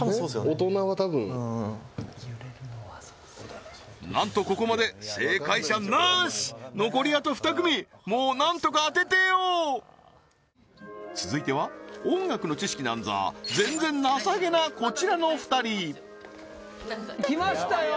大人は多分なんとここまで正解者なし残りあと２組もうなんとか当ててよ続いては音楽の知識なんざ全然なさげなこちらの２人来ましたよ